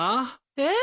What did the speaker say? えっ？